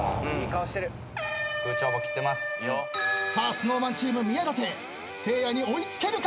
ＳｎｏｗＭａｎチーム宮舘せいやに追いつけるか！？